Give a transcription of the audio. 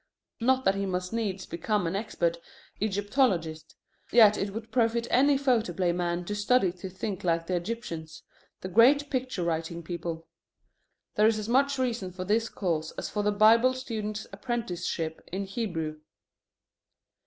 Not that he must needs become an expert Egyptologist. Yet it would profit any photoplay man to study to think like the Egyptians, the great picture writing people. There is as much reason for this course as for the Bible student's apprenticeship in Hebrew.